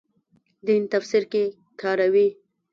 دین تفسیر کې کاروي.